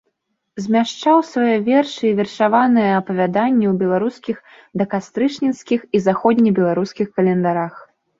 Змяшчаў свае вершы і вершаваныя апавяданні ў беларускіх дакастрычніцкіх і заходнебеларускіх календарах.